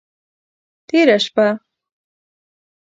تیره شپه…